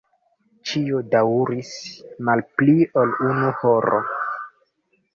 Ĉio daŭris malpli ol unu horo.